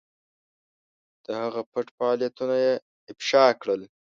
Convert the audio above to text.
د هغه پټ فعالیتونه یې افشا کړل.